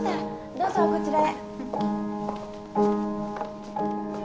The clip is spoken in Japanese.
どうぞこちらへ。